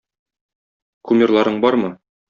Кумирларың бармы?